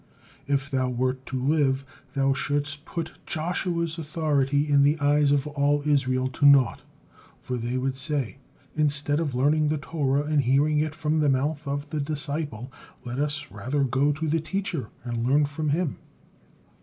If thou wert to live thou shouldst put Joshua's authority in the eyes of all Israel to naught, for they would say, 'Instead of learning the Torah and hearing it from the mouth of the disciple, let us rather go to the teacher and learn from him.'